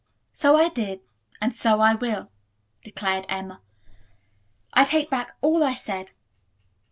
"So I did, and so I will," declared Emma, "I take back all I said.